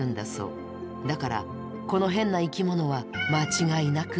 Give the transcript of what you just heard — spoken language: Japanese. だからこの変な生きものは間違いなくネコ！